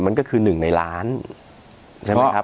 มันก็คือ๑ในล้านใช่ไหมครับ